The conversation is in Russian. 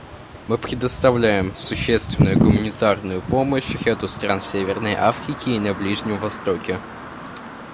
Мы предоставляем существенную гуманитарную помощь ряду стран в Северной Африке и на Ближнем Востоке.